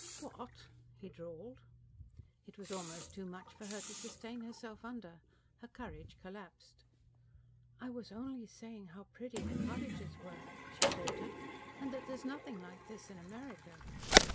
"Wha at?" he drawled. It was almost too much for her to sustain herself under. Her courage collapsed. "I was only saying how pretty the cottages were," she faltered. "And that there's nothing like this in America."